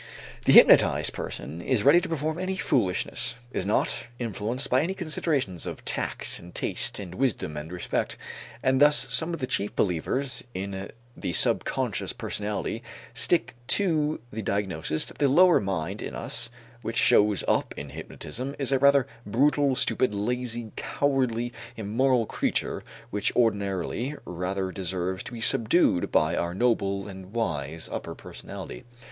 The hypnotized person is ready to perform any foolishness, is not influenced by any considerations of tact and taste and wisdom and respect, and thus some of the chief believers in the subconscious personality stick to the diagnosis that the lower mind in us which shows up in hypnotism is a rather brutal, stupid, lazy, cowardly, immoral creature which ordinarily rather deserves to be subdued by our noble and wise upper personality.